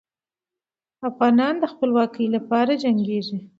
افغانان به د خپلواکۍ لپاره جنګېږي.